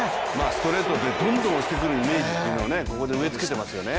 ストレートでどんどん押してくるイメージをここで植えつけてますよね。